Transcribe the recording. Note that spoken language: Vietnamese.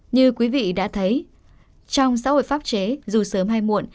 như quý vị đã thấy trong xã hội pháp chế dù sớm hay muộn